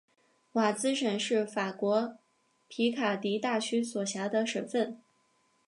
瓦兹省是法国皮卡迪大区所辖的省份。